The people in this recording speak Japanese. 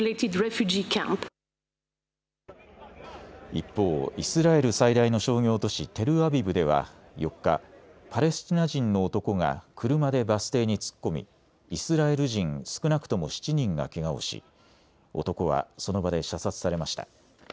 一方、イスラエル最大の商業都市テルアビブでは４日、パレスチナ人の男が車でバス停に突っ込みイスラエル人少なくとも７人がけがをし男はその場で射殺されました。